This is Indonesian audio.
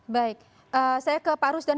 baik saya ke pak rusdan